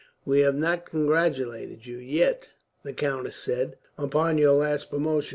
"We have not congratulated you yet," the countess said, "upon your last promotion.